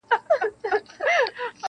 چي هر څو یې زور کاوه بند وه ښکرونه -